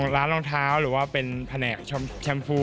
รองเท้าหรือว่าเป็นแผนกแชมพู